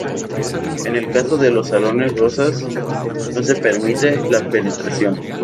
En el caso de los salones rosas, no se permite la penetración.